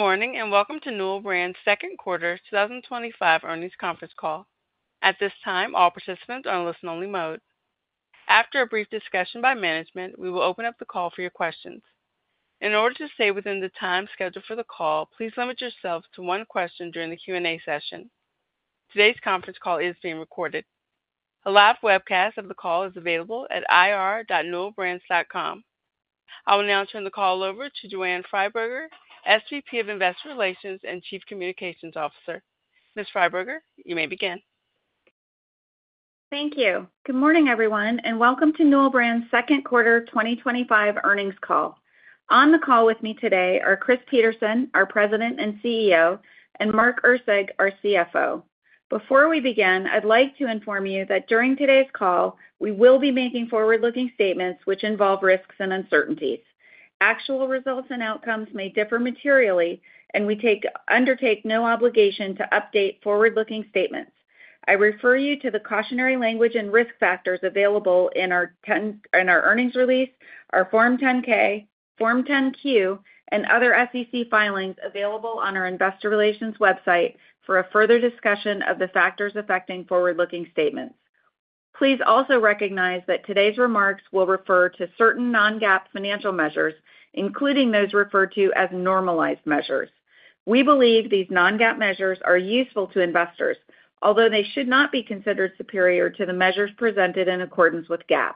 Good morning and welcome to Newell Brands' second quarter 2025 earnings conference call. At this time, all participants are in listen-only mode. After a brief discussion by management, we will open up the call for your questions. In order to stay within the time scheduled for the call, please limit yourselves to one question during the Q&A session. Today's conference call is being recorded. A live webcast of the call is available at ir.newellbrands.com. I will now turn the call over to Joanne Freiberger, SVP of Investor Relations and Chief Communications Officer. Ms. Freiberger, you may begin. Thank you. Good morning, everyone, and welcome to Newell Brands' second quarter 2025 earnings call. On the call with me today are Chris Peterson, our President and CEO, and Mark Erceg, our CFO. Before we begin, I'd like to inform you that during today's call, we will be making forward-looking statements which involve risks and uncertainties. Actual results and outcomes may differ materially, and we undertake no obligation to update forward-looking statements. I refer you to the cautionary language and risk factors available in our earnings release, our Form 10-K, Form 10-Q, and other SEC filings available on our Investor Relations website for a further discussion of the factors affecting forward-looking statements. Please also recognize that today's remarks will refer to certain non-GAAP financial measures, including those referred to as normalized measures. We believe these non-GAAP measures are useful to investors, although they should not be considered superior to the measures presented in accordance with GAAP.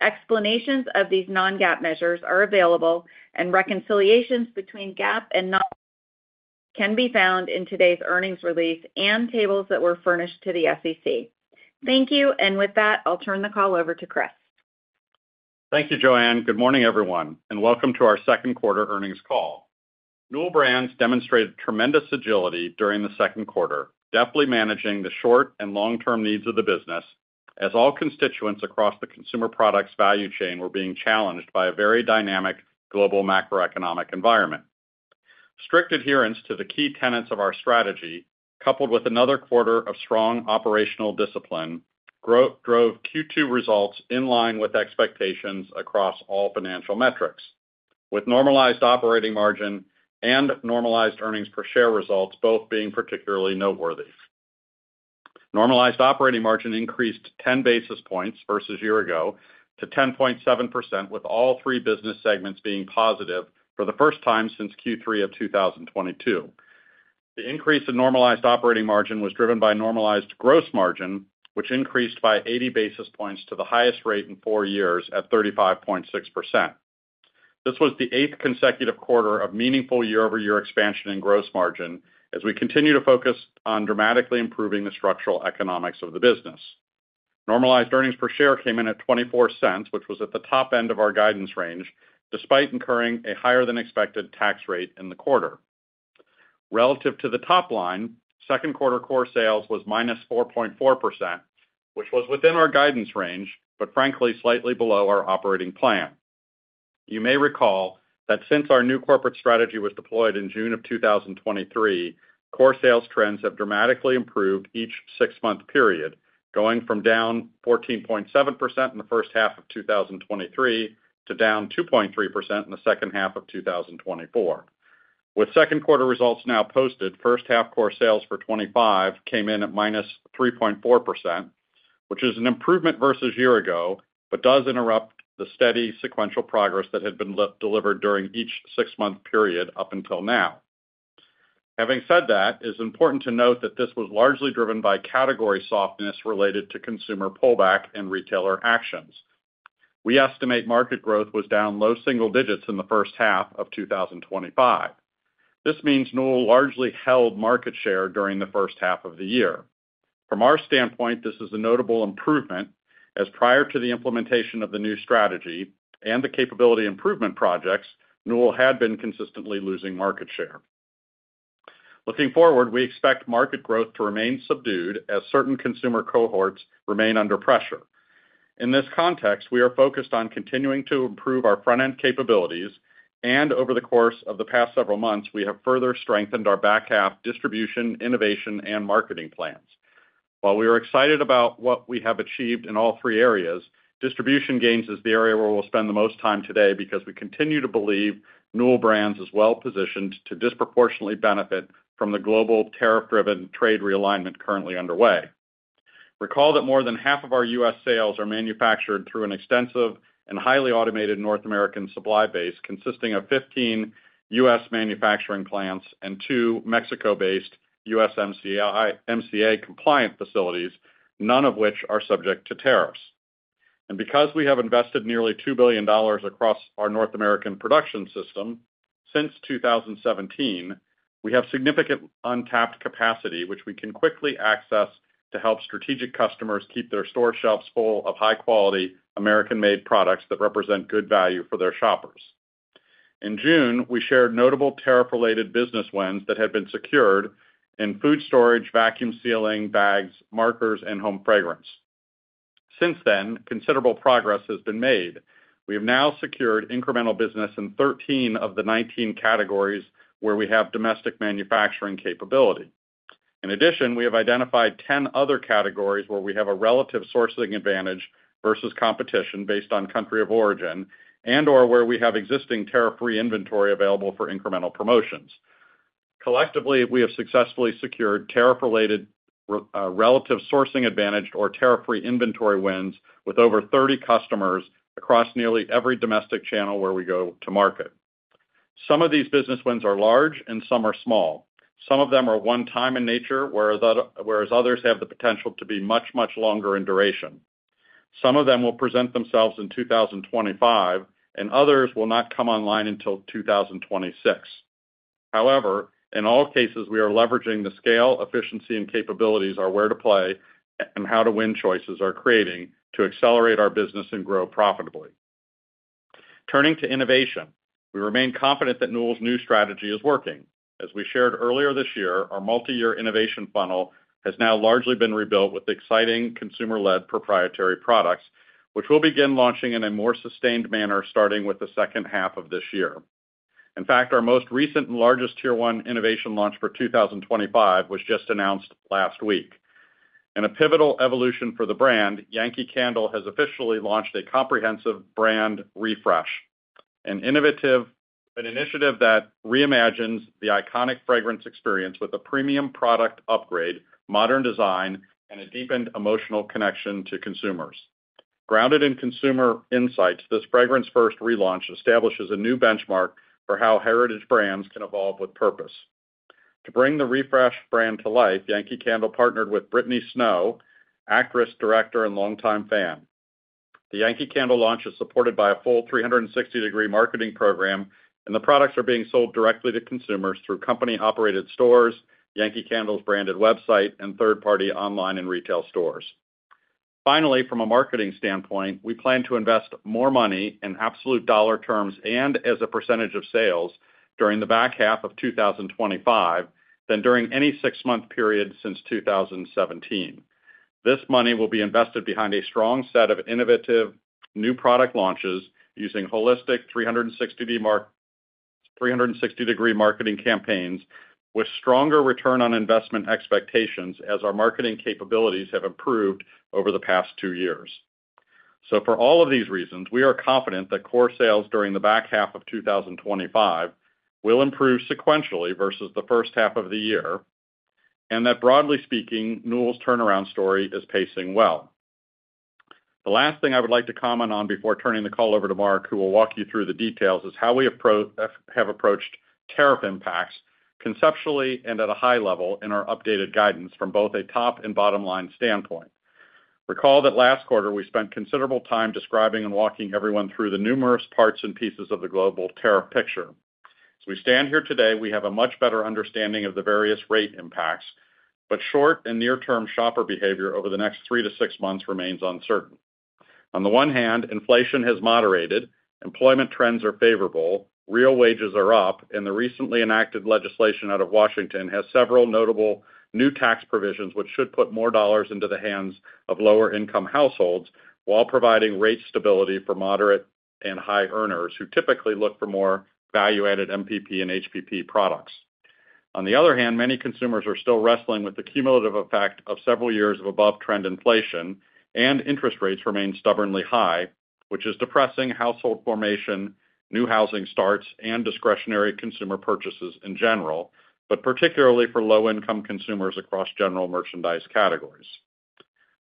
Explanations of these non-GAAP measures are available, and reconciliations between GAAP and non-GAAP can be found in today's earnings release and tables that were furnished to the SEC. Thank you, and with that, I'll turn the call over to Chris. Thank you, Joanne. Good morning, everyone, and welcome to our second quarter earnings call. Newell Brands demonstrated tremendous agility during the second quarter, deftly managing the short and long-term needs of the business, as all constituents across the consumer products value chain were being challenged by a very dynamic global macroeconomic environment. Strict adherence to the key tenets of our strategy, coupled with another quarter of strong operational discipline, drove Q2 results in line with expectations across all financial metrics, with normalized operating margin and normalized earnings per share results both being particularly noteworthy. Normalized operating margin increased 10 basis points versus a year ago to 10.7%, with all three business segments being positive for the first time since Q3 of 2022. The increase in normalized operating margin was driven by normalized gross margin, which increased by 80 basis points to the highest rate in four years at 35.6%. This was the eighth consecutive quarter of meaningful year-over-year expansion in gross margin as we continue to focus on dramatically improving the structural economics of the business. Normalized earnings per share came in at $0.24, which was at the top end of our guidance range, despite incurring a higher-than-expected tax rate in the quarter. Relative to the top line, second quarter core sales were -4.4%, which was within our guidance range, but frankly, slightly below our operating plan. You may recall that since our new corporate strategy was deployed in June of 2023, core sales trends have dramatically improved each six-month period, going from down 14.7% in the first half of 2023 to down 2.3% in the second half of 2024. With second quarter results now posted, first half core sales for 2025 came in at -3.4%, which is an improvement versus a year ago, but does interrupt the steady sequential progress that had been delivered during each six-month period up until now. Having said that, it is important to note that this was largely driven by category softness related to consumer pullback and retailer actions. We estimate market growth was down low single digits in the first half of 2025. This means Newell largely held market share during the first half of the year. From our standpoint, this is a notable improvement, as prior to the implementation of the new strategy and the capability improvement projects, Newell had been consistently losing market share. Looking forward, we expect market growth to remain subdued as certain consumer cohorts remain under pressure. In this context, we are focused on continuing to improve our front-end capabilities, and over the course of the past several months, we have further strengthened our back half distribution, innovation, and marketing plans. While we are excited about what we have achieved in all three areas, distribution gains is the area where we'll spend the most time today because we continue to believe Newell Brands is well-positioned to disproportionately benefit from the global tariff-driven trade realignment currently underway. Recall that more than 1/2 of our U.S. sales are manufactured through an extensive and highly automated North American supply base consisting of 15 U.S. manufacturing plants and two Mexico-based USMCA compliant facilities, none of which are subject to tariffs. Because we have invested nearly $2 billion across our North American production system since 2017, we have significant untapped capacity, which we can quickly access to help strategic customers keep their store shelves full of high-quality American-made products that represent good value for their shoppers. In June, we shared notable tariff-related business wins that had been secured in food storage, vacuum sealing, bags, markers, and home fragrance. Since then, considerable progress has been made. We have now secured incremental business in 13 of the 19 categories where we have domestic manufacturing capability. In addition, we have identified 10 other categories where we have a relative sourcing advantage versus competition based on country of origin and/or where we have existing tariff-free inventory available for incremental promotions. Collectively, we have successfully secured tariff-related relative sourcing advantage or tariff-free inventory wins with over 30 customers across nearly every domestic channel where we go to market. Some of these business wins are large and some are small. Some of them are one-time in nature, whereas others have the potential to be much, much longer in duration. Some of them will present themselves in 2025, and others will not come online until 2026. However, in all cases, we are leveraging the scale, efficiency, and capabilities our where-to-play and how-to-win choices are creating to accelerate our business and grow profitably. Turning to innovation, we remain confident that Newell's new strategy is working. As we shared earlier this year, our multi-year innovation funnel has now largely been rebuilt with exciting consumer-led proprietary products, which we'll begin launching in a more sustained manner starting with the second half of this year. In fact, our most recent and largest tier one innovation launch for 2025 was just announced last week. In a pivotal evolution for the brand, Yankee Candle has officially launched a comprehensive brand refresh, an innovative initiative that reimagines the iconic fragrance experience with a premium product upgrade, modern design, and a deepened emotional connection to consumers. Grounded in consumer insights, this fragrance-first relaunch establishes a new benchmark for how heritage brands can evolve with purpose. To bring the refresh brand to life, Yankee Candle partnered with Brittany Snow, actress, director, and longtime fan. The Yankee Candle launch is supported by a full 360° marketing program, and the products are being sold directly to consumers through company-operated stores, Yankee Candle's branded website, and third-party online and retail stores. Finally, from a marketing standpoint, we plan to invest more money in absolute dollar terms and as a percentage of sales during the back half of 2025 than during any six-month period since 2017. This money will be invested behind a strong set of innovative new product launches using holistic 360° marketing campaigns with stronger return on investment expectations as our marketing capabilities have improved over the past two years. For all of these reasons, we are confident that core sales during the back half of 2025 will improve sequentially versus the first half of the year, and that broadly speaking, Newell Brands' turnaround story is pacing well. The last thing I would like to comment on before turning the call over to Mark, who will walk you through the details, is how we have approached tariff impacts conceptually and at a high level in our updated guidance from both a top and bottom line standpoint. Recall that last quarter we spent considerable time describing and walking everyone through the numerous parts and pieces of the global tariff picture. As we stand here today, we have a much better understanding of the various rate impacts, but short and near-term shopper behavior over the next three to six months remains uncertain. On the one hand, inflation has moderated, employment trends are favorable, real wages are up, and the recently enacted legislation out of Washington has several notable new tax provisions which should put more dollars into the hands of lower-income households while providing rate stability for moderate and high earners who typically look for more value-added MPP and HPP products. On the other hand, many consumers are still wrestling with the cumulative effect of several years of above-trend inflation, and interest rates remain stubbornly high, which is depressing household formation, new housing starts, and discretionary consumer purchases in general, particularly for low-income consumers across general merchandise categories.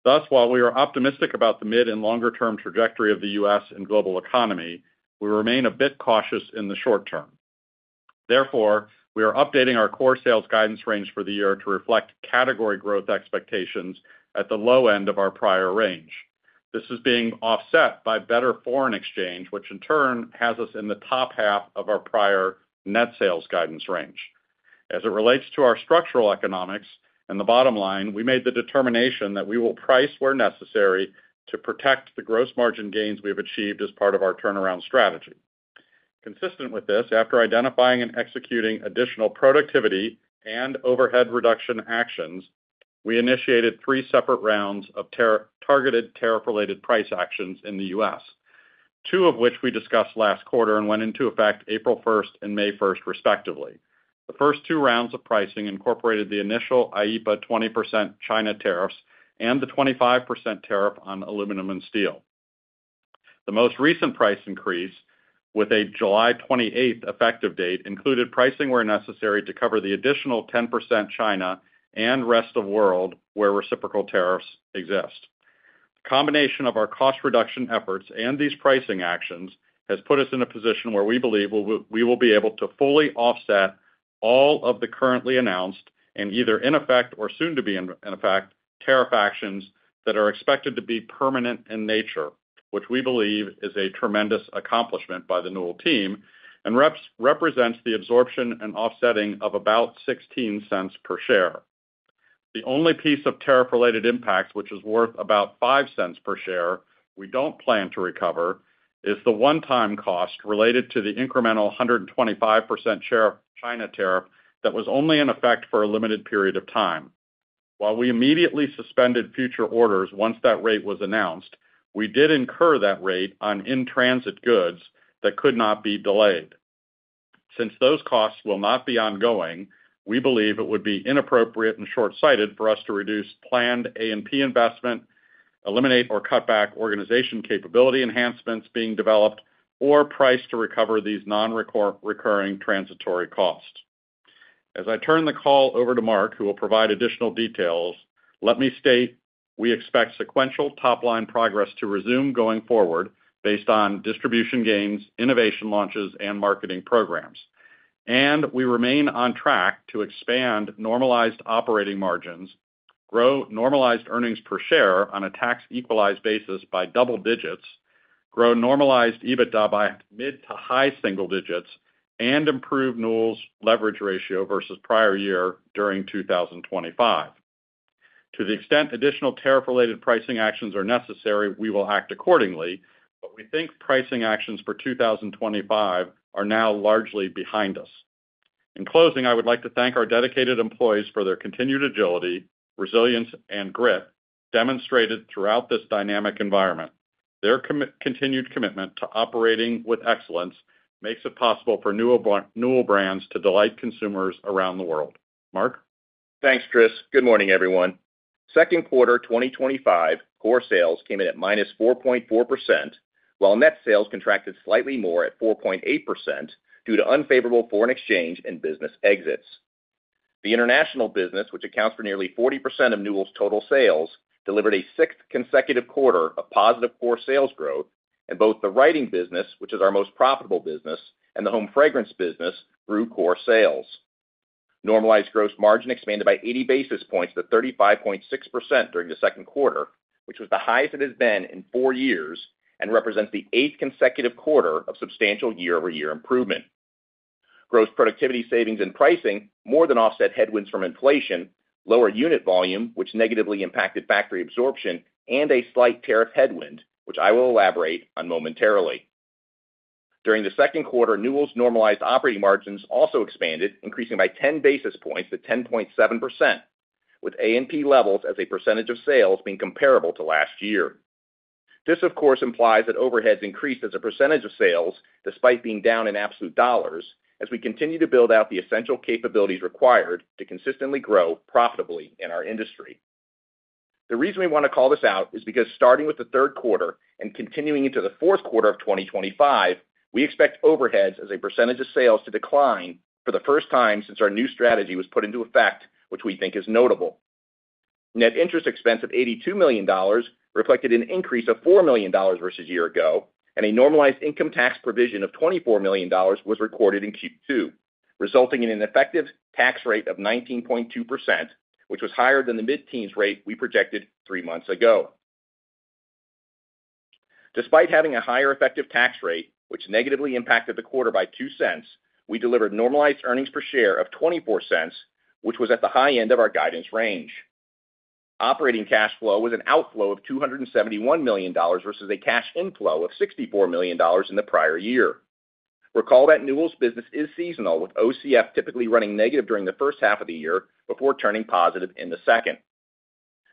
Thus, while we are optimistic about the mid and longer-term trajectory of the U.S. and global economy, we remain a bit cautious in the short term. Therefore, we are updating our core sales guidance range for the year to reflect category growth expectations at the low end of our prior range. This is being offset by better foreign exchange, which in turn has us in the top half of our prior net sales guidance range. As it relates to our structural economics and the bottom line, we made the determination that we will price where necessary to protect the gross margin gains we have achieved as part of our turnaround strategy. Consistent with this, after identifying and executing additional productivity and overhead reduction actions, we initiated three separate rounds of targeted tariff-related price actions in the U.S., two of which we discussed last quarter and went into effect April 1st and May 1st, respectively. The first two rounds of pricing incorporated the initial IEPA 20% China tariffs and the 25% tariff on aluminum and steel. The most recent price increase, with a July 28th effective date, included pricing where necessary to cover the additional 10% China and rest of the world where reciprocal tariffs exist. The combination of our cost reduction efforts and these pricing actions has put us in a position where we believe we will be able to fully offset all of the currently announced and either in effect or soon to be in effect tariff actions that are expected to be permanent in nature, which we believe is a tremendous accomplishment by the Newell team and represents the absorption and offsetting of about $0.16 per share. The only piece of tariff-related impact, which is worth about $0.05 per share, we don't plan to recover, is the one-time cost related to the incremental 125% China tariff that was only in effect for a limited period of time. While we immediately suspended future orders once that rate was announced, we did incur that rate on in-transit goods that could not be delayed. Since those costs will not be ongoing, we believe it would be inappropriate and short-sighted for us to reduce planned A&P investment, eliminate or cut back organization capability enhancements being developed, or price to recover these non-recurring transitory costs. As I turn the call over to Mark, who will provide additional details, let me state we expect sequential top-line progress to resume going forward based on distribution gains, innovation launches, and marketing programs. We remain on track to expand normalized operating margins, grow normalized earnings per share on a tax-equalized basis by double digits, grow normalized EBITDA by mid to high single digits, and improve Newell's leverage ratio versus prior year during 2025. To the extent additional tariff-related pricing actions are necessary, we will act accordingly, but we think pricing actions for 2025 are now largely behind us. In closing, I would like to thank our dedicated employees for their continued agility, resilience, and grit demonstrated throughout this dynamic environment. Their continued commitment to operating with excellence makes it possible for Newell Brands to delight consumers around the world. Mark. Thanks, Chris. Good morning, everyone. Second quarter 2025, core sales came in at -4.4%, while net sales contracted slightly more at 4.8% due to unfavorable foreign exchange and business exits. The international business, which accounts for nearly 40% of Newell Brands' total sales, delivered a sixth consecutive quarter of positive core sales growth, and both the writing business, which is our most profitable business, and the home fragrance business grew core sales. Normalized gross margin expanded by 80 basis points to 35.6% during the second quarter, which was the highest it has been in four years and represents the eighth consecutive quarter of substantial year-over-year improvement. Gross productivity savings and pricing more than offset headwinds from inflation, lower unit volume, which negatively impacted factory absorption, and a slight tariff headwind, which I will elaborate on momentarily. During the second quarter, Newell Brands' normalized operating margins also expanded, increasing by 10 basis points to 10.7%, with A&P levels as a percentage of sales being comparable to last year. This, of course, implies that overheads increased as a percentage of sales, despite being down in absolute dollars, as we continue to build out the essential capabilities required to consistently grow profitably in our industry. The reason we want to call this out is because starting with the third quarter and continuing into the fourth quarter of 2025, we expect overheads as a percentage of sales to decline for the first time since our new strategy was put into effect, which we think is notable. Net interest expense of $82 million reflected an increase of $4 million versus a year ago, and a normalized income tax provision of $24 million was recorded in Q2, resulting in an effective tax rate of 19.2%, which was higher than the mid-teens rate we projected three months ago. Despite having a higher effective tax rate, which negatively impacted the quarter by $0.02, we delivered normalized earnings per share of $0.24, which was at the high end of our guidance range. Operating cash flow was an outflow of $271 million versus a cash inflow of $64 million in the prior year. Recall that Newell Brands' business is seasonal, with OCF typically running negative during the first half of the year before turning positive in the second.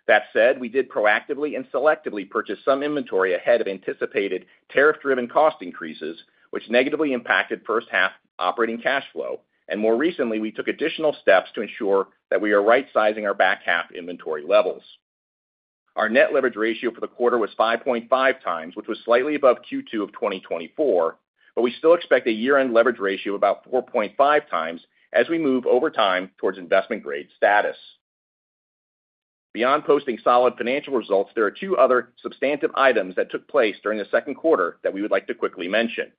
That said, we did proactively and selectively purchase some inventory ahead of anticipated tariff-driven cost increases, which negatively impacted first half operating cash flow. More recently, we took additional steps to ensure that we are right-sizing our back half inventory levels. Our net leverage ratio for the quarter was 5.5x, which was slightly above Q2 of 2024, but we still expect a year-end leverage ratio of about 4.5x as we move over time towards investment-grade status. Beyond posting solid financial results, there are two other substantive items that took place during the second quarter that we would like to quickly mention.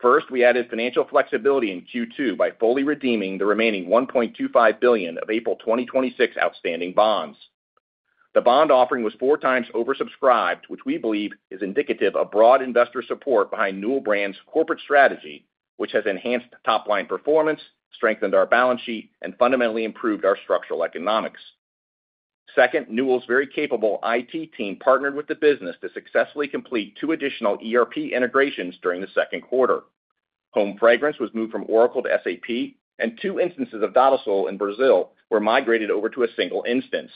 First, we added financial flexibility in Q2 by fully redeeming the remaining $1.25 billion of April 2026 outstanding bonds. The bond offering was 4x oversubscribed, which we believe is indicative of broad investor support behind Newell Brands' corporate strategy, which has enhanced top-line performance, strengthened our balance sheet, and fundamentally improved our structural economics. Second, Newell's very capable IT team partnered with the business to successfully complete two additional ERP integrations during the second quarter. Home fragrance was moved from Oracle to SAP, and two instances of DataSol in Brazil were migrated over to a single instance.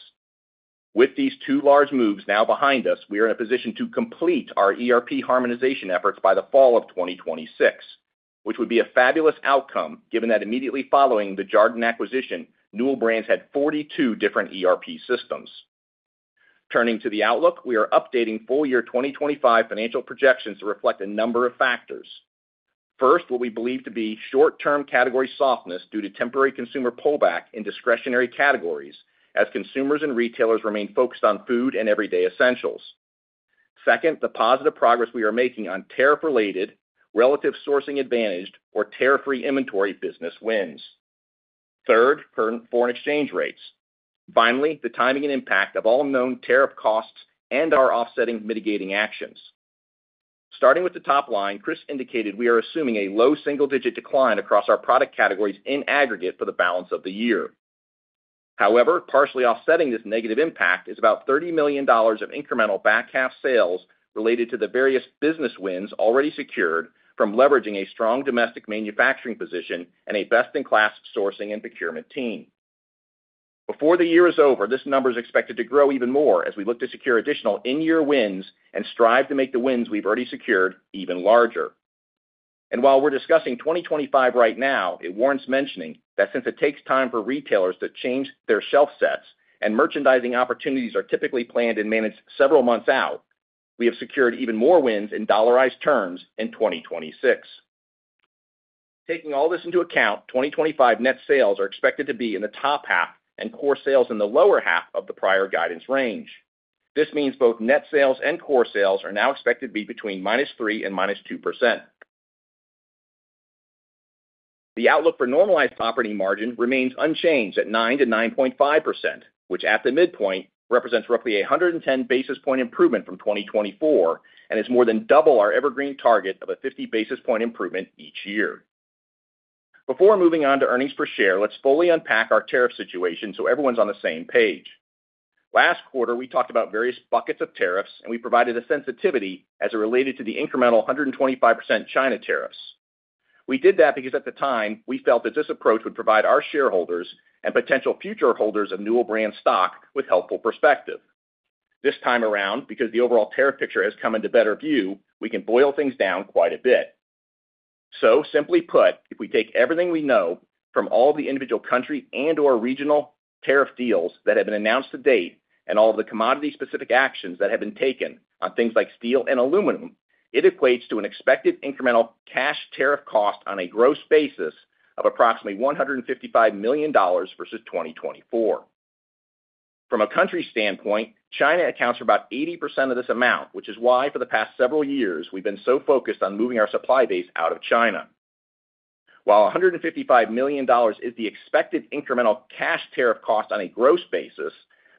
With these two large moves now behind us, we are in a position to complete our ERP harmonization efforts by the fall of 2026, which would be a fabulous outcome given that immediately following the Jarden acquisition, Newell Brands had 42 different ERP systems. Turning to the outlook, we are updating full-year 2025 financial projections to reflect a number of factors. First, what we believe to be short-term category softness due to temporary consumer pullback in discretionary categories, as consumers and retailers remain focused on food and everyday essentials. Second, the positive progress we are making on tariff-related relative sourcing advantaged or tariff-free inventory business wins. Third, current foreign exchange rates. Finally, the timing and impact of all known tariff costs and our offsetting mitigating actions. Starting with the top line, Chris indicated we are assuming a low single-digit decline across our product categories in aggregate for the balance of the year. However, partially offsetting this negative impact is about $30 million of incremental back half sales related to the various business wins already secured from leveraging a strong domestic manufacturing position and a best-in-class sourcing and procurement team. Before the year is over, this number is expected to grow even more as we look to secure additional in-year wins and strive to make the wins we've already secured even larger. While we're discussing 2025 right now, it warrants mentioning that since it takes time for retailers to change their shelf sets and merchandising opportunities are typically planned and managed several months out, we have secured even more wins in dollarized terms in 2026. Taking all this into account, 2025 net sales are expected to be in the top half and core sales in the lower half of the prior guidance range. This means both net sales and core sales are now expected to be between -3% and -2%. The outlook for normalized operating margin remains unchanged at 9%-9.5%, which at the midpoint represents roughly a 110 basis point improvement from 2024 and is more than double our evergreen target of a 50 basis point improvement each year. Before moving on to earnings per share, let's fully unpack our tariff situation so everyone's on the same page. Last quarter, we talked about various buckets of tariffs, and we provided a sensitivity as it related to the incremental 125% China tariffs. We did that because at the time, we felt that this approach would provide our shareholders and potential future holders of Newell Brands' stock with helpful perspective. This time around, because the overall tariff picture has come into better view, we can boil things down quite a bit. Simply put, if we take everything we know from all the individual country and/or regional tariff deals that have been announced to date and all of the commodity-specific actions that have been taken on things like steel and aluminum, it equates to an expected incremental cash tariff cost on a gross basis of approximately $155 million versus 2024. From a country's standpoint, China accounts for about 80% of this amount, which is why for the past several years, we've been so focused on moving our supply base out of China. While $155 million is the expected incremental cash tariff cost on a gross basis,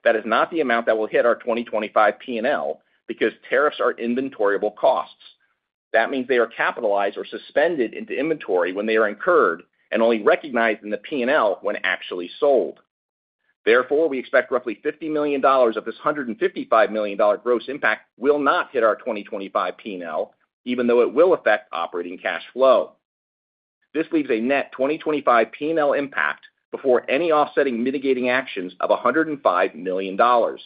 that is not the amount that will hit our 2025 P&L because tariffs are inventoryable costs. That means they are capitalized or suspended into inventory when they are incurred and only recognized in the P&L when actually sold. Therefore, we expect roughly $50 million of this $155 million gross impact will not hit our 2025 P&L, even though it will affect operating cash flow. This leaves a net 2025 P&L impact before any offsetting mitigating actions of $105 million, $10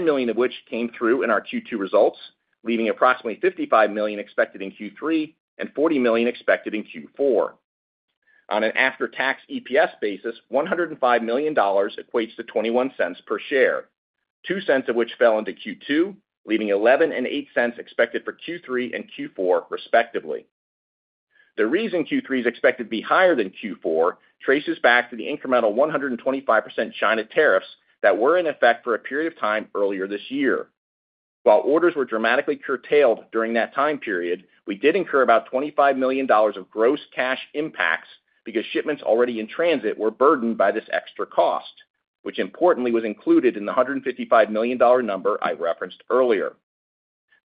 million of which came through in our Q2 results, leaving approximately $55 million expected in Q3 and $40 million expected in Q4. On an after-tax EPS basis, $105 million equates to $0.21 per share, $0.02 of which fell into Q2, leaving $0.11 and $0.08 expected for Q3 and Q4, respectively. The reason Q3 is expected to be higher than Q4 traces back to the incremental 125% China tariffs that were in effect for a period of time earlier this year. While orders were dramatically curtailed during that time period, we did incur about $25 million of gross cash impacts because shipments already in transit were burdened by this extra cost, which importantly was included in the $155 million number I referenced earlier.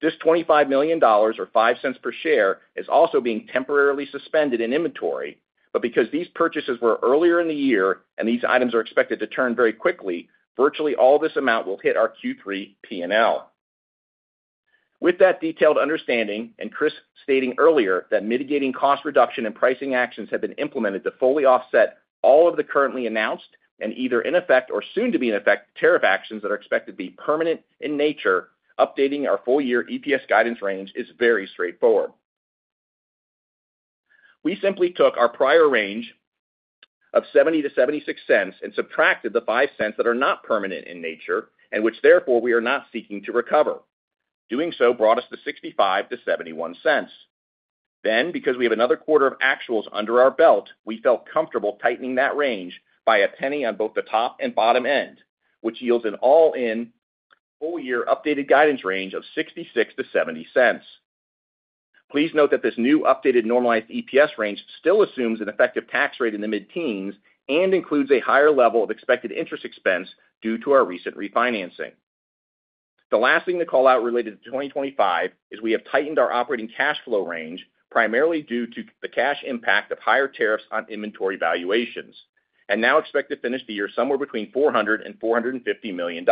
This $25 million, or $0.05 per share, is also being temporarily suspended in inventory, but because these purchases were earlier in the year and these items are expected to turn very quickly, virtually all this amount will hit our Q3 P&L. With that detailed understanding and Chris stating earlier that mitigating cost reduction and pricing actions have been implemented to fully offset all of the currently announced and either in effect or soon to be in effect tariff actions that are expected to be permanent in nature, updating our full-year EPS guidance range is very straightforward. We simply took our prior range of $0.70-$0.76 and subtracted the $0.05 that are not permanent in nature and which therefore we are not seeking to recover. Doing so brought us to $0.65-$0.71. Because we have another quarter of actuals under our belt, we felt comfortable tightening that range by a penny on both the top and bottom end, which yields an all-in full-year updated guidance range of $0.66-$0.70. Please note that this new updated normalized EPS range still assumes an effective tax rate in the mid-teens and includes a higher level of expected interest expense due to our recent refinancing. The last thing to call out related to 2025 is we have tightened our operating cash flow range primarily due to the cash impact of higher tariffs on inventory valuations and now expect to finish the year somewhere between $400 million-$450 million.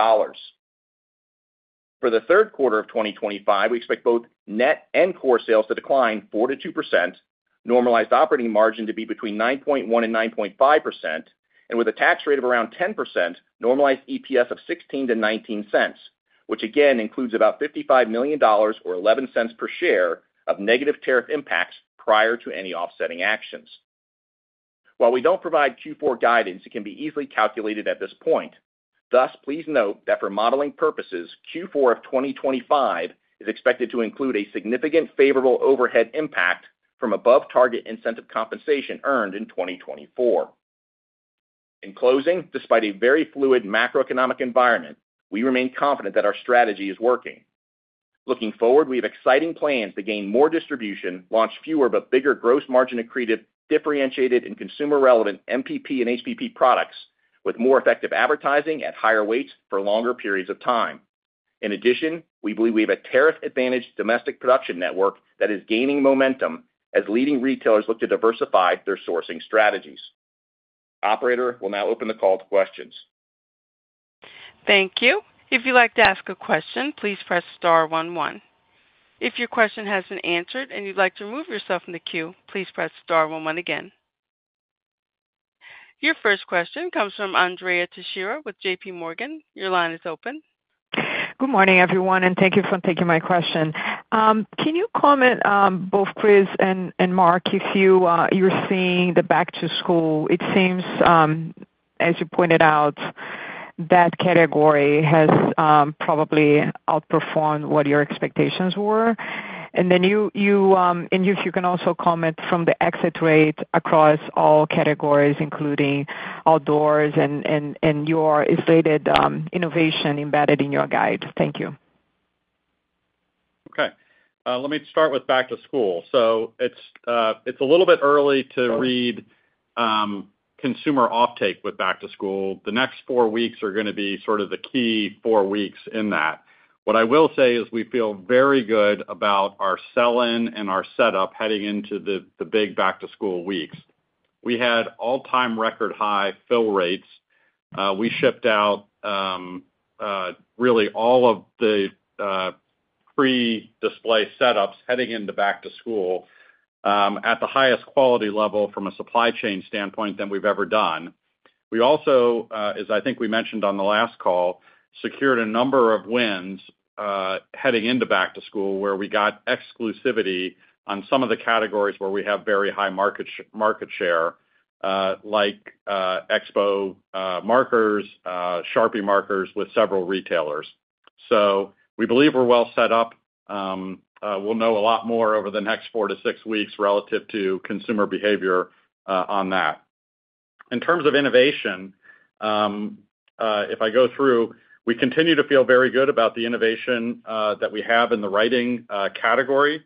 For the third quarter of 2025, we expect both net and core sales to decline 4% to 2%, normalized operating margin to be between 9.1%-9.5%, and with a tax rate of around 10%, normalized EPS of $0.16-$0.19, which again includes about $55 million or $0.11 per share of negative tariff impacts prior to any offsetting actions. While we don't provide Q4 guidance, it can be easily calculated at this point. Thus, please note that for modeling purposes, Q4 of 2025 is expected to include a significant favorable overhead impact from above-target incentive compensation earned in 2024. In closing, despite a very fluid macroeconomic environment, we remain confident that our strategy is working. Looking forward, we have exciting plans to gain more distribution, launch fewer but bigger gross margin accretive differentiated and consumer-relevant MPP and HPP products with more effective advertising at higher weights for longer periods of time. In addition, we believe we have a tariff-advantaged domestic production network that is gaining momentum as leading retailers look to diversify their sourcing strategies. Operator will now open the call to questions. Thank you. If you'd like to ask a question, please press star one. If your question has been answered and you'd like to remove yourself from the queue, please press star one again. Your first question comes from Andrea Teixeira with JPMorgan. Your line is open. Good morning, everyone, and thank you for taking my question. Can you comment on both Chris and Mark if you're seeing the back-to-school? It seems, as you pointed out, that category has probably outperformed what your expectations were. If you can also comment from the exit rate across all categories, including outdoors and your slated innovation embedded in your guide. Thank you. Okay. Let me start with back-to-school. It's a little bit early to read consumer offtake with back-to-school. The next four weeks are going to be the key four weeks in that. What I will say is we feel very good about our sell-in and our setup heading into the big back-to-school weeks. We had all-time record high fill rates. We shipped out all of the pre-display setups heading into back-to-school at the highest quality level from a supply chain standpoint than we've ever done. We also, as I think we mentioned on the last call, secured a number of wins heading into back-to-school where we got exclusivity on some of the categories where we have very high market share, like Expo markers, Sharpie markers with several retailers. We believe we're well set up. We'll know a lot more over the next four to six weeks relative to consumer behavior on that. In terms of innovation, if I go through, we continue to feel very good about the innovation that we have in the writing category.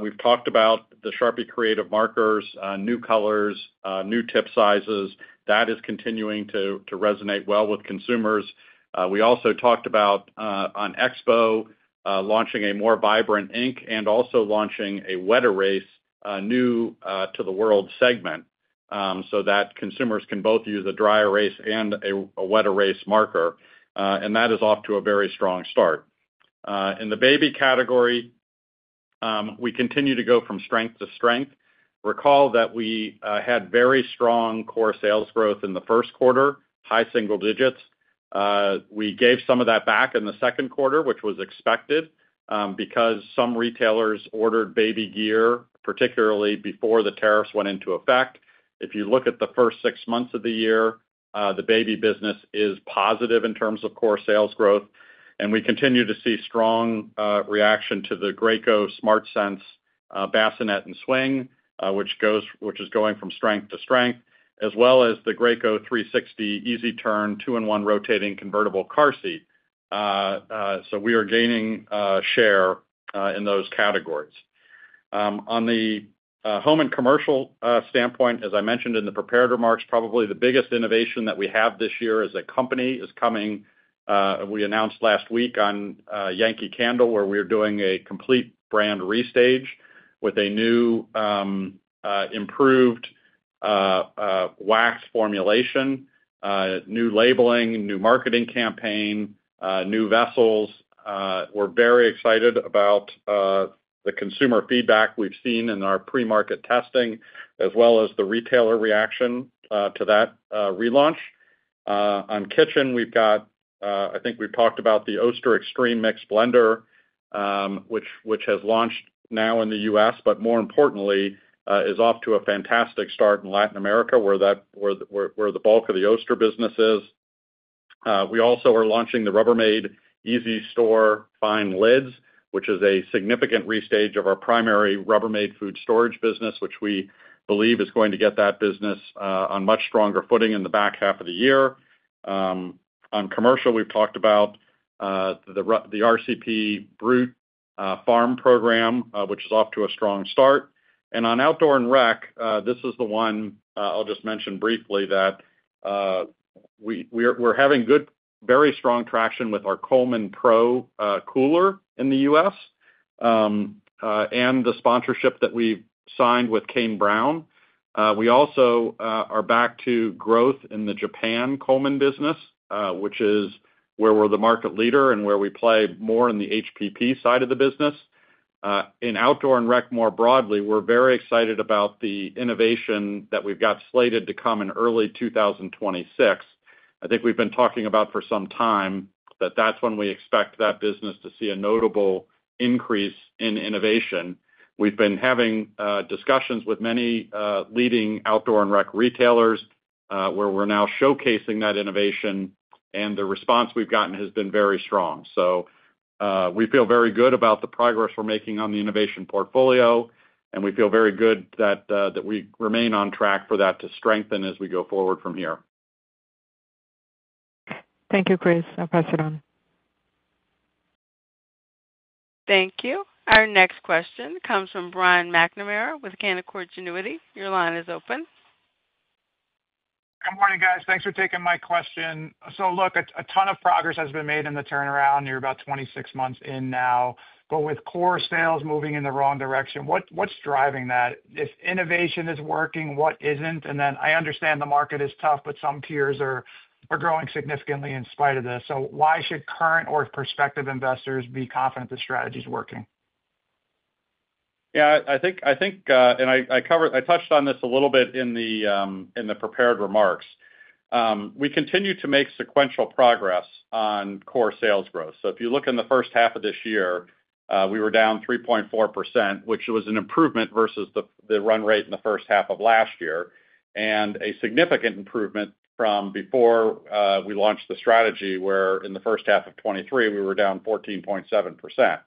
We've talked about the Sharpie creative markers, new colors, new tip sizes. That is continuing to resonate well with consumers. We also talked about, on Expo, launching a more vibrant ink and also launching a wet erase, new to the world segment, so that consumers can both use a dry erase and a wet erase marker. That is off to a very strong start. In the baby category, we continue to go from strength to strength. Recall that we had very strong core sales growth in the first quarter, high single digits. We gave some of that back in the second quarter, which was expected, because some retailers ordered baby gear, particularly before the tariffs went into effect. If you look at the first six months of the year, the baby business is positive in terms of core sales growth. We continue to see strong reaction to the Graco SmartSense bassinet and swing, which is going from strength to strength, as well as the Graco 360 Easy Turn two-in-one rotating convertible car seat. We are gaining share in those categories. On the home and commercial standpoint, as I mentioned in the prepared remarks, probably the biggest innovation that we have this year as a company is coming. We announced last week on Yankee Candle, where we are doing a complete brand restage with a new, improved wax formulation, new labeling, new marketing campaign, new vessels. We're very excited about the consumer feedback we've seen in our pre-market testing, as well as the retailer reaction to that relaunch. On kitchen, we've got, I think we've talked about the Oster Extreme Mix blender, which has launched now in the U.S., but more importantly, is off to a fantastic start in Latin America, where the bulk of the Oster business is. We also are launching the [Rubbermaid EasyFineLids], which is a significant restage of our primary Rubbermaid food storage business, which we believe is going to get that business on much stronger footing in the back half of the year. On commercial, we've talked about the RCP Brute farm program, which is off to a strong start. On outdoor and rec, I'll just mention briefly that we're having very strong traction with our Coleman Pro Cooler in the U.S., and the sponsorship that we signed with Kane Brown. We also are back to growth in the Japan Coleman business, which is where we're the market leader and where we play more in the HPP side of the business. In outdoor and rec more broadly, we're very excited about the innovation that we've got slated to come in early 2026. I think we've been talking about for some time that that's when we expect that business to see a notable increase in innovation. We've been having discussions with many leading outdoor and rec retailers, where we're now showcasing that innovation, and the response we've gotten has been very strong. We feel very good about the progress we're making on the innovation portfolio, and we feel very good that we remain on track for that to strengthen as we go forward from here. Thank you, Chris. I'll pass it on. Thank you. Our next question comes from Brian McNamara with Canaccord Genuity. Your line is open. Good morning, guys. Thanks for taking my question. A ton of progress has been made in the turnaround. You're about 26 months in now. With core sales moving in the wrong direction, what's driving that? If innovation is working, what isn't? I understand the market is tough, but some tiers are growing significantly in spite of this. Why should current or prospective investors be confident the strategy is working? I think, and I covered, I touched on this a little bit in the prepared remarks. We continue to make sequential progress on core sales growth. If you look in the first half of this year, we were down 3.4%, which was an improvement versus the run rate in the first half of last year, and a significant improvement from before we launched the strategy, where in the first half of 2023, we were down 14.7%.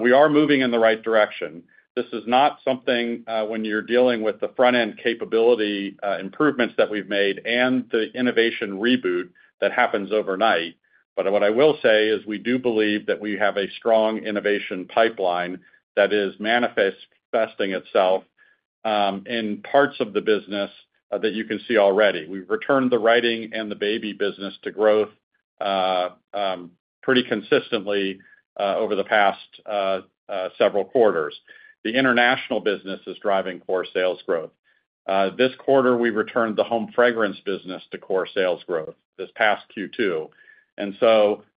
We are moving in the right direction. This is not something, when you're dealing with the front-end capability improvements that we've made and the innovation reboot, that happens overnight. What I will say is we do believe that we have a strong innovation pipeline that is manifesting itself in parts of the business that you can see already. We've returned the writing and the baby business to growth pretty consistently over the past several quarters. The international business is driving core sales growth. This quarter, we returned the home fragrance business to core sales growth this past Q2.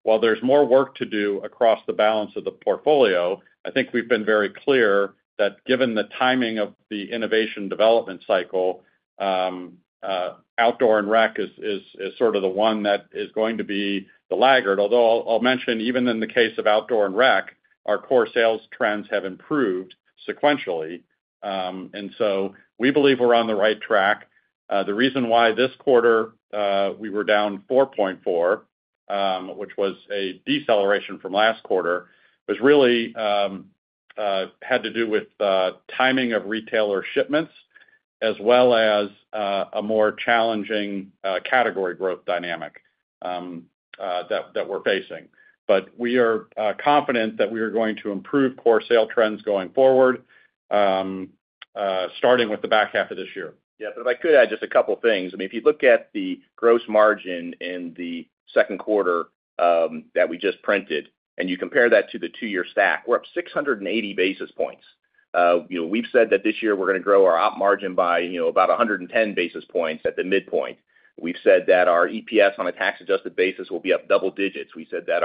While there's more work to do across the balance of the portfolio, I think we've been very clear that given the timing of the innovation development cycle, outdoor and rec is sort of the one that is going to be the laggard. Although I'll mention even in the case of outdoor and rec, our core sales trends have improved sequentially. We believe we're on the right track. The reason why this quarter we were down 4.4%, which was a deceleration from last quarter, was really due to timing of retailer shipments, as well as a more challenging category growth dynamic that we're facing. We are confident that we are going to improve core sales trends going forward, starting with the back half of this year. Yeah, but if I could add just a couple of things. I mean, if you look at the gross margin in the second quarter that we just printed, and you compare that to the two-year stack, we're up 680 basis points. You know, we've said that this year we're going to grow our op margin by about 110 basis points at the midpoint. We've said that our EPS on a tax-adjusted basis will be up double digits. We said that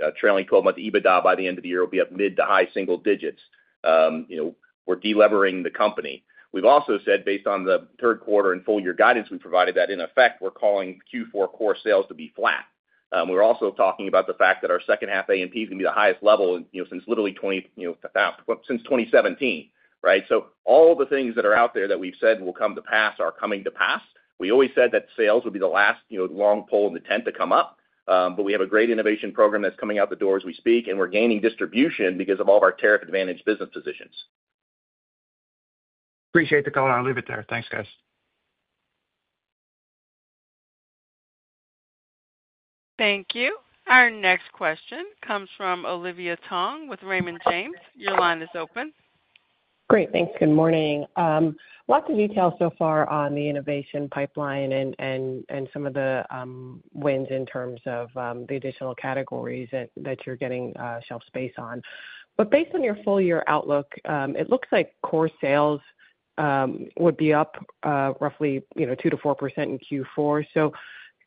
our trailing 12-month EBITDA by the end of the year will be up mid to high single digits. You know, we're delivering the company. We've also said, based on the third quarter and full-year guidance we provided, that in effect, we're calling Q4 core sales to be flat. We're also talking about the fact that our second half A&P is going to be the highest level since literally 2017, right? All the things that are out there that we've said will come to pass are coming to pass. We always said that sales would be the last long pole in the tent to come up, but we have a great innovation program that's coming out the door as we speak, and we're gaining distribution because of all of our tariff-advantaged business positions. Appreciate the call. I'll leave it there. Thanks, guys. Thank you. Our next question comes from Olivia Tong with Raymond James. Your line is open. Great, thanks. Good morning. Lots of detail so far on the innovation pipeline and some of the wins in terms of the additional categories that you're getting shelf space on. Based on your full-year outlook, it looks like core sales would be up roughly 2%-4% in Q4.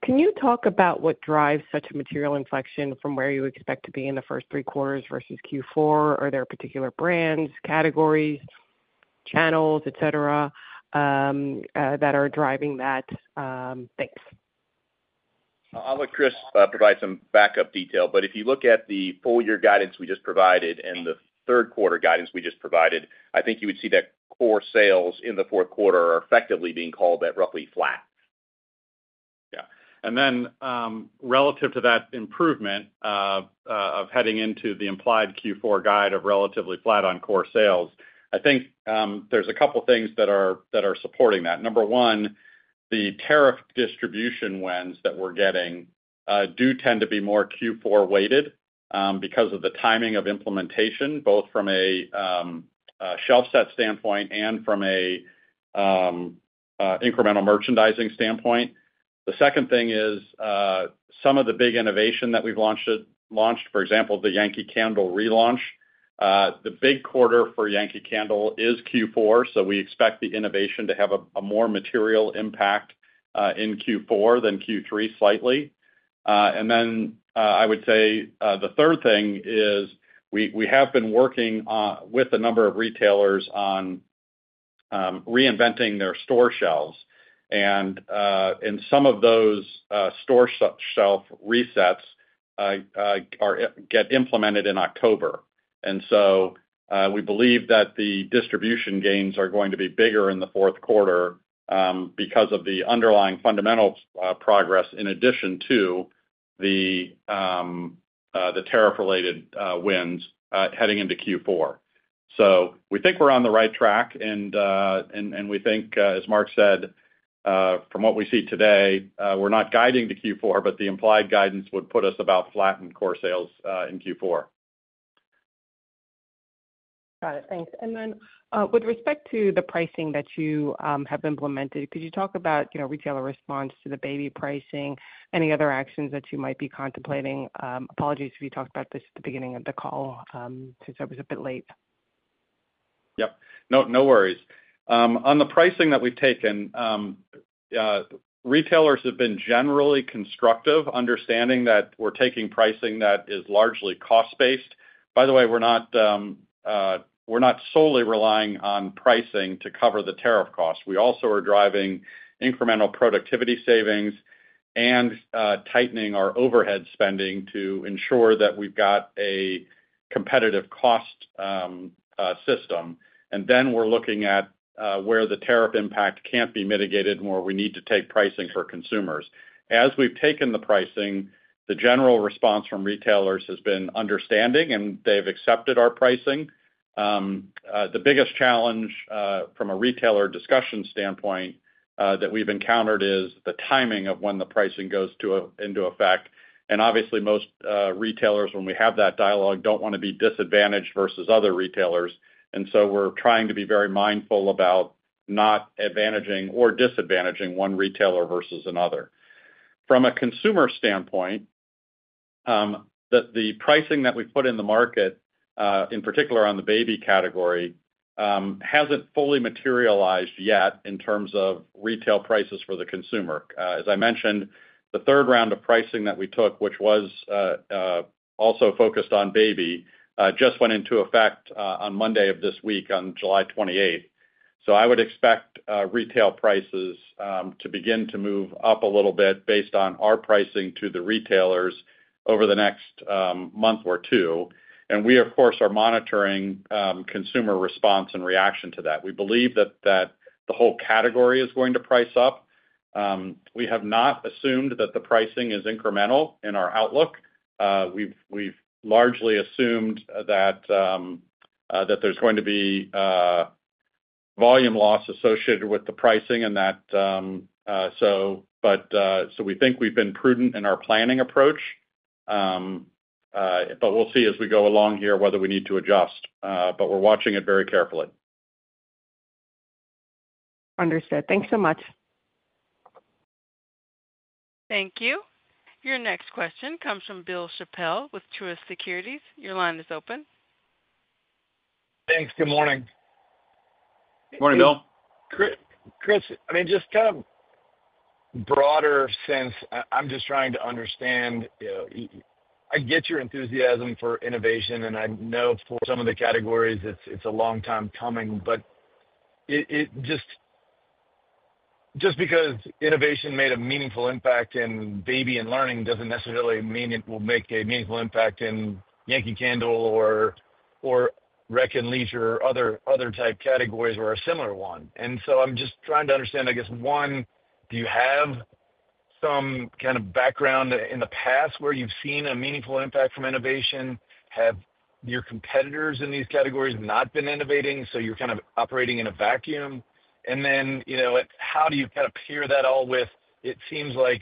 Can you talk about what drives such a material inflection from where you expect to be in the first three quarters versus Q4? Are there particular brands, categories, channels, etc. that are driving that? Thanks. I'll let Chris provide some backup detail. If you look at the full-year guidance we just provided and the third quarter guidance we just provided, I think you would see that core sales in the fourth quarter are effectively being called at roughly flat. Yeah. Relative to that improvement of heading into the implied Q4 guide of relatively flat on core sales, I think there are a couple of things that are supporting that. Number one, the tariff distribution wins that we're getting do tend to be more Q4 weighted because of the timing of implementation, both from a shelf set standpoint and from an incremental merchandising standpoint. The second thing is, some of the big innovation that we've launched, for example, the Yankee Candle relaunch, the big quarter for Yankee Candle is Q4. We expect the innovation to have a more material impact in Q4 than Q3 slightly. I would say the third thing is we have been working with a number of retailers on reinventing their store shelves. In some of those, store shelf resets get implemented in October. We believe that the distribution gains are going to be bigger in the fourth quarter because of the underlying fundamental progress in addition to the tariff-related wins heading into Q4. We think we're on the right track, and we think, as Mark said, from what we see today, we're not guiding to Q4, but the implied guidance would put us about flat in core sales in Q4. Got it. Thanks. With respect to the pricing that you have implemented, could you talk about retailer response to the baby pricing, any other actions that you might be contemplating? Apologies if you talked about this at the beginning of the call, since I was a bit late. No worries. On the pricing that we've taken, retailers have been generally constructive, understanding that we're taking pricing that is largely cost-based. By the way, we're not solely relying on pricing to cover the tariff cost. We also are driving incremental productivity savings and tightening our overhead spending to ensure that we've got a competitive cost system. We're looking at where the tariff impact can't be mitigated more, we need to take pricing for consumers. As we've taken the pricing, the general response from retailers has been understanding, and they've accepted our pricing. The biggest challenge from a retailer discussion standpoint that we've encountered is the timing of when the pricing goes into effect. Obviously, most retailers, when we have that dialogue, don't want to be disadvantaged versus other retailers. We're trying to be very mindful about not advantaging or disadvantaging one retailer versus another. From a consumer standpoint, the pricing that we put in the market, in particular on the baby category, hasn't fully materialized yet in terms of retail prices for the consumer. As I mentioned, the third round of pricing that we took, which was also focused on baby, just went into effect on Monday of this week, on July 28th. I would expect retail prices to begin to move up a little bit based on our pricing to the retailers over the next month or two. We, of course, are monitoring consumer response and reaction to that. We believe that the whole category is going to price up. We have not assumed that the pricing is incremental in our outlook. We've largely assumed that there's going to be volume loss associated with the pricing, so we think we've been prudent in our planning approach. We'll see as we go along here whether we need to adjust. We're watching it very carefully. Understood. Thanks so much. Thank you. Your next question comes from Bill Chappell with Truist Securities. Your line is open. Thanks. Good morning. Good morning, Bill. Chris, I mean, just kind of a broader sense, I'm just trying to understand, you know, I get your enthusiasm for innovation, and I know for some of the categories, it's a long time coming. Just because innovation made a meaningful impact in baby and learning doesn't necessarily mean it will make a meaningful impact in Yankee Candle or Rec and Leisure or other type categories or a similar one. I'm just trying to understand, I guess, one, do you have some kind of background in the past where you've seen a meaningful impact from innovation? Have your competitors in these categories not been innovating? You're kind of operating in a vacuum. How do you kind of pair that all with it seems like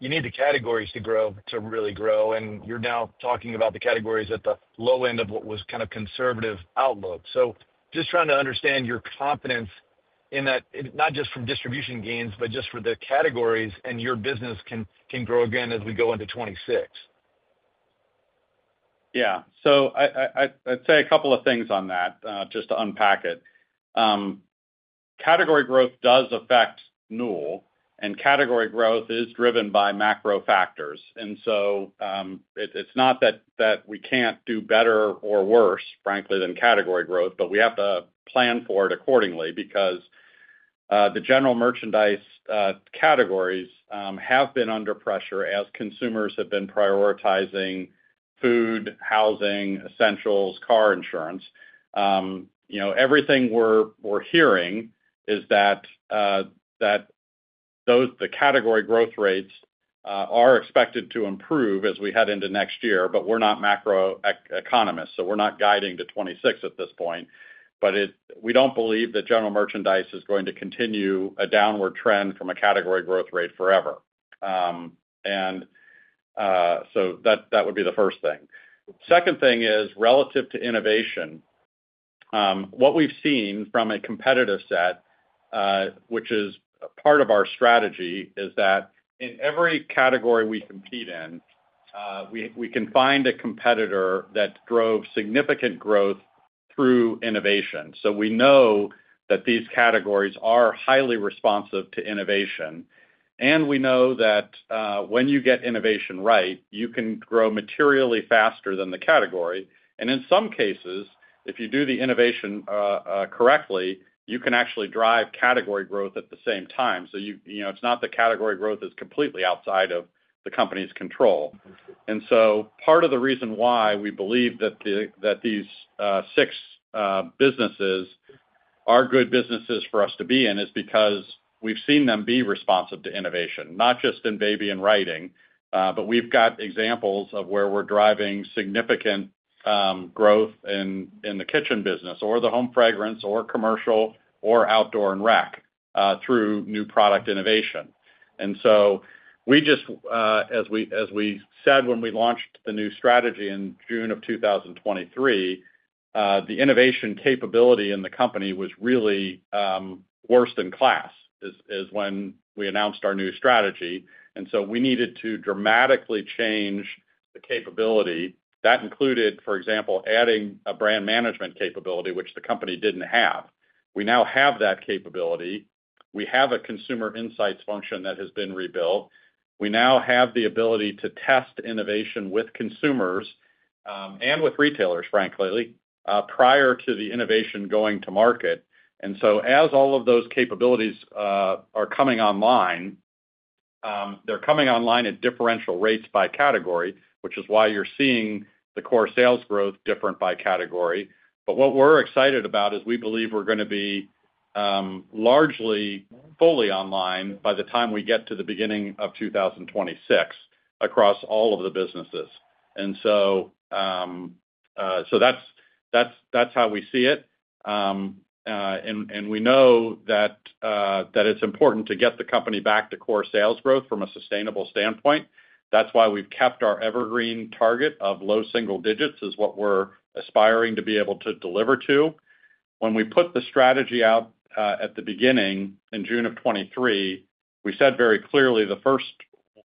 you need the categories to grow to really grow, and you're now talking about the categories at the low end of what was kind of conservative outlook. Just trying to understand your confidence in that, not just from distribution gains, but just for the categories and your business can grow again as we go into 2026. Yeah. I'd say a couple of things on that, just to unpack it. Category growth does affect Newell, and category growth is driven by macro factors. It's not that we can't do better or worse, frankly, than category growth, but we have to plan for it accordingly because the general merchandise categories have been under pressure as consumers have been prioritizing food, housing, essentials, car insurance. Everything we're hearing is that those category growth rates are expected to improve as we head into next year, but we're not macro economists, so we're not guiding to 2026 at this point. We don't believe that general merchandise is going to continue a downward trend from a category growth rate forever. That would be the first thing. Second thing is relative to innovation, what we've seen from a competitive set, which is part of our strategy, is that in every category we compete in, we can find a competitor that drove significant growth through innovation. We know that these categories are highly responsive to innovation. We know that when you get innovation right, you can grow materially faster than the category. In some cases, if you do the innovation correctly, you can actually drive category growth at the same time. It's not that category growth is completely outside of the company's control. Part of the reason why we believe that these six businesses are good businesses for us to be in is because we've seen them be responsive to innovation, not just in baby and writing, but we've got examples of where we're driving significant growth in the kitchen business or the home fragrance or commercial or outdoor and rec, through new product innovation. As we said when we launched the new strategy in June of 2023, the innovation capability in the company was really worst in class when we announced our new strategy. We needed to dramatically change the capability. That included, for example, adding a brand management capability, which the company didn't have. We now have that capability. We have a consumer insights function that has been rebuilt. We now have the ability to test innovation with consumers, and with retailers, frankly, prior to the innovation going to market. As all of those capabilities are coming online, they're coming online at differential rates by category, which is why you're seeing the core sales growth different by category. What we're excited about is we believe we're going to be largely fully online by the time we get to the beginning of 2026 across all of the businesses. That's how we see it, and we know that it's important to get the company back to core sales growth from a sustainable standpoint. That's why we've kept our evergreen target of low single digits as what we're aspiring to be able to deliver to. When we put the strategy out at the beginning in June of 2023, we said very clearly the first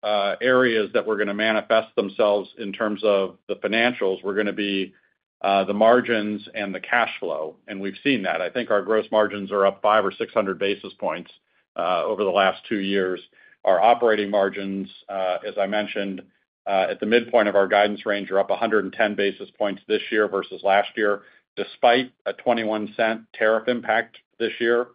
areas that were going to manifest themselves in terms of the financials were going to be the margins and the cash flow. We've seen that. I think our gross margins are up 500 or 600 basis points over the last two years. Our operating margins, as I mentioned, at the midpoint of our guidance range are up 110 basis points this year versus last year, despite a $0.21 tariff impact this year.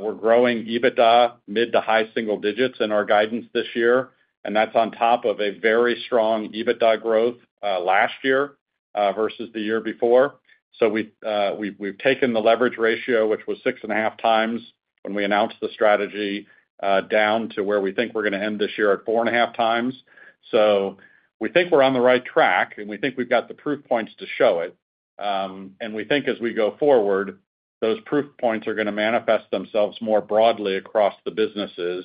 We're growing EBITDA mid to high single digits in our guidance this year, and that's on top of a very strong EBITDA growth last year versus the year before. We've taken the leverage ratio, which was 6.5x when we announced the strategy, down to where we think we're going to end this year at 4.5x. We think we're on the right track, and we think we've got the proof points to show it. We think as we go forward, those proof points are going to manifest themselves more broadly across the businesses,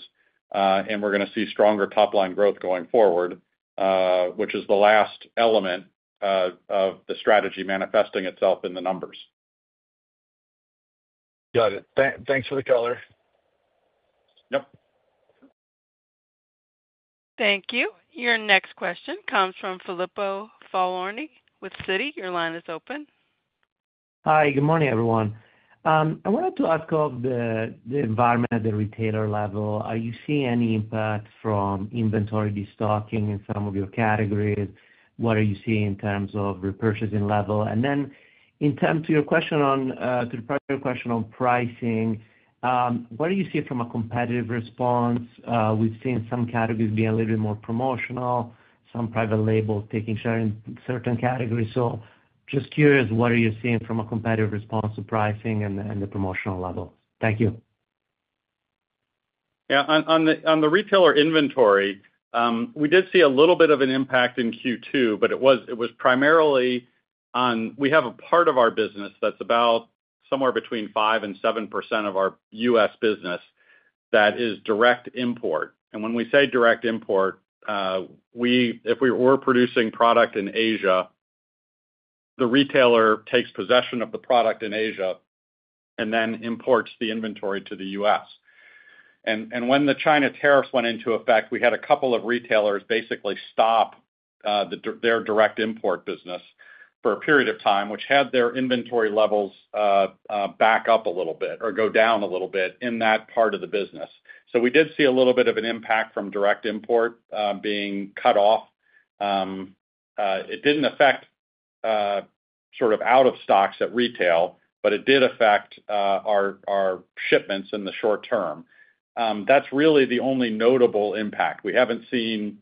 and we're going to see stronger top-line growth going forward, which is the last element of the strategy manifesting itself in the numbers. Got it. Thanks for the color. Yep. Thank you. Your next question comes from Filippo Falorni with Citi. Your line is open. Hi. Good morning, everyone. I wanted to ask about the environment at the retailer level. Are you seeing any impacts from inventory restocking in some of your categories? What are you seeing in terms of repurchasing level? In terms of your question on, to the prior question on pricing, what do you see from a competitive response? We've seen some categories being a little bit more promotional, some private labels taking share in certain categories. Just curious, what are you seeing from a competitive response to pricing and the promotional level? Thank you. Yeah. On the retailer inventory, we did see a little bit of an impact in Q2, but it was primarily on, we have a part of our business that's about somewhere between 5%-7% of our U.S. business that is direct import. When we say direct import, if we were producing product in Asia, the retailer takes possession of the product in Asia and then imports the inventory to the U.S. When the China tariffs went into effect, we had a couple of retailers basically stop their direct import business for a period of time, which had their inventory levels back up a little bit or go down a little bit in that part of the business. We did see a little bit of an impact from direct import being cut off. It didn't affect out-of-stocks at retail, but it did affect our shipments in the short term. That's really the only notable impact. We haven't seen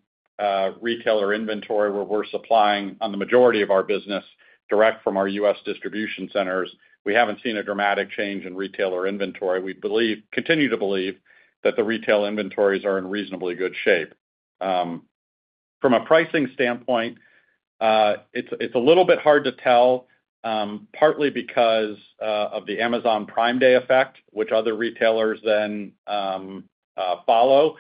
retailer inventory, where we're supplying on the majority of our business direct from our U.S. distribution centers, we haven't seen a dramatic change in retailer inventory. We believe, continue to believe, that the retail inventories are in reasonably good shape. From a pricing standpoint, it's a little bit hard to tell, partly because of the Amazon Prime Day effect, which other retailers then follow.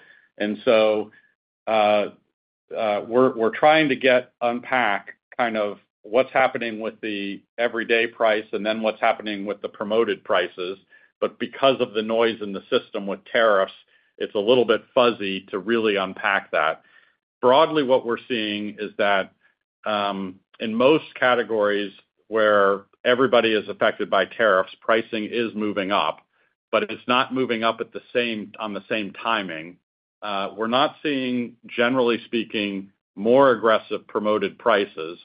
We're trying to get unpacked kind of what's happening with the everyday price and then what's happening with the promoted prices. Because of the noise in the system with tariffs, it's a little bit fuzzy to really unpack that. Broadly, what we're seeing is that in most categories where everybody is affected by tariffs, pricing is moving up, but it's not moving up on the same timing. We're not seeing, generally speaking, more aggressive promoted prices.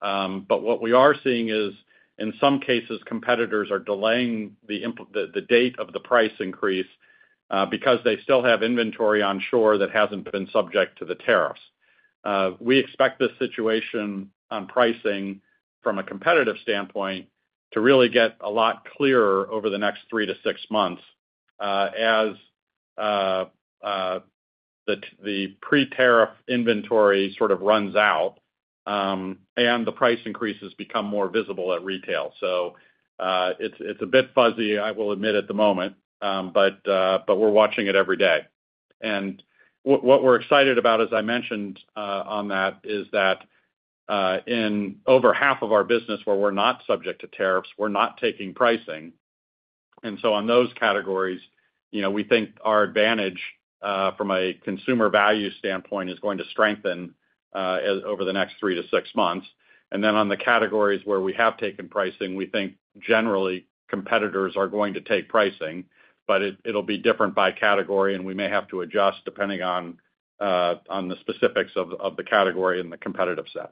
What we are seeing is, in some cases, competitors are delaying the date of the price increase because they still have inventory on shore that hasn't been subject to the tariffs. We expect this situation on pricing from a competitive standpoint to really get a lot clearer over the next three to six months, as the pre-tariff inventory sort of runs out and the price increases become more visible at retail. It's a bit fuzzy, I will admit, at the moment, but we're watching it every day. What we're excited about, as I mentioned, on that, is that in over half of our business where we're not subject to tariffs, we're not taking pricing. On those categories, we think our advantage from a consumer value standpoint is going to strengthen over the next three to six months. On the categories where we have taken pricing, we think generally competitors are going to take pricing, but it will be different by category, and we may have to adjust depending on the specifics of the category and the competitive set.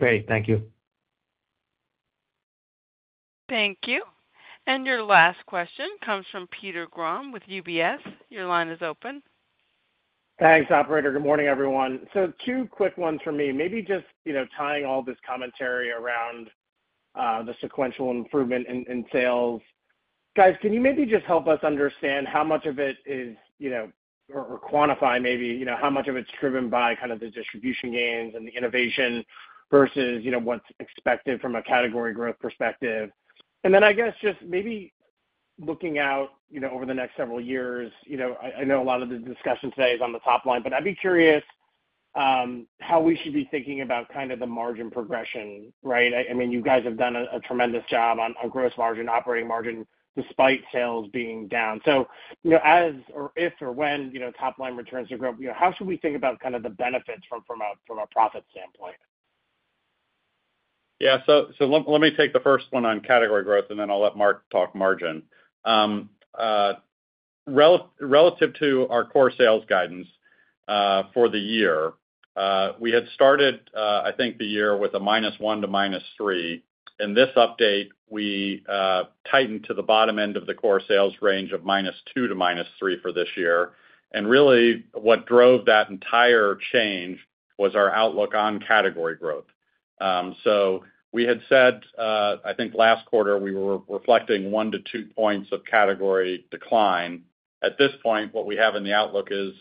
Great. Thank you. Thank you. Your last question comes from Peter Graham with UBS. Your line is open. Thanks, operator. Good morning, everyone. Two quick ones from me. Maybe just tying all this commentary around the sequential improvement in sales. Can you maybe just help us understand how much of it is, or quantify maybe, how much of it's driven by the distribution gains and the innovation versus what's expected from a category growth perspective? I guess, just maybe looking out over the next several years, I know a lot of the discussion today is on the top line, but I'd be curious how we should be thinking about the margin progression, right? I mean, you guys have done a tremendous job on gross margin, operating margin, despite sales being down. As or if or when top line returns to growth, how should we think about the benefits from a profit standpoint? Yeah. Let me take the first one on category growth, and then I'll let Mark talk margin. Relative to our core sales guidance for the year, we had started, I think, the year with a -1 to -3. In this update, we tightened to the bottom end of the core sales range of -2 to -3 for this year. What drove that entire change was our outlook on category growth. We had said, I think last quarter we were reflecting 1-2 points of category decline. At this point, what we have in the outlook is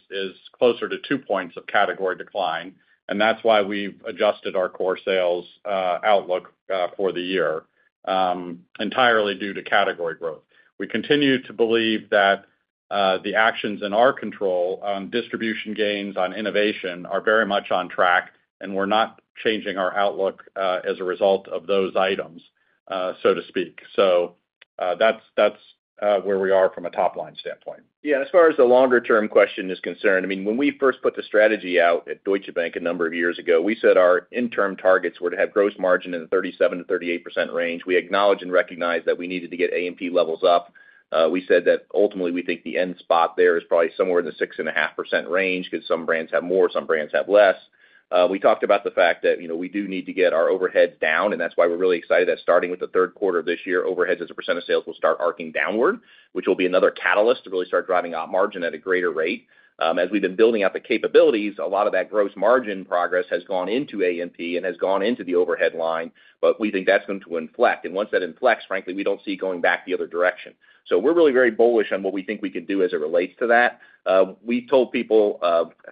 closer to 2 points of category decline. That's why we've adjusted our core sales outlook for the year, entirely due to category growth. We continue to believe that the actions in our control on distribution gains, on innovation, are very much on track, and we're not changing our outlook as a result of those items, so to speak. That's where we are from a top line standpoint. Yeah. As far as the longer-term question is concerned, when we first put the strategy out at Deutsche Bank a number of years ago, we said our interim targets were to have gross margin in the 37%-38% range. We acknowledge and recognize that we needed to get A&P levels up. We said that ultimately, we think the end spot there is probably somewhere in the 6.5% range because some brands have more, some brands have less. We talked about the fact that we do need to get our overheads down, and that's why we're really excited that starting with the third quarter of this year, overheads as a percent of sales will start arcing downward, which will be another catalyst to really start driving op margin at a greater rate. As we've been building out the capabilities, a lot of that gross margin progress has gone into A&P and has gone into the overhead line, but we think that's going to inflect. Once that inflects, frankly, we don't see going back the other direction. We're really very bullish on what we think we can do as it relates to that. We've told people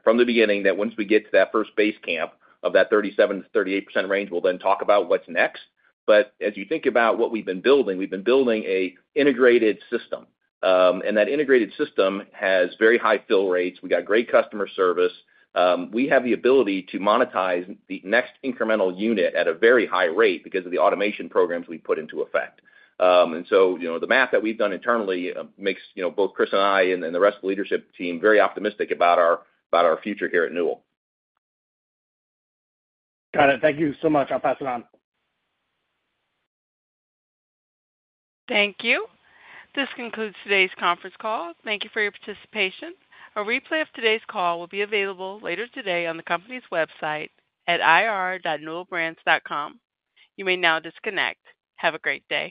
from the beginning that once we get to that first base camp of that 37%-38% range, we'll then talk about what's next. As you think about what we've been building, we've been building an integrated system, and that integrated system has very high fill rates. We got great customer service. We have the ability to monetize the next incremental unit at a very high rate because of the automation programs we've put into effect. The math that we've done internally makes both Chris and I and the rest of the leadership team very optimistic about our future here at Newell Brands. Got it. Thank you so much. I'll pass it on. Thank you. This concludes today's conference call. Thank you for your participation. A replay of today's call will be available later today on the company's website at ir.newellbrands.com. You may now disconnect. Have a great day.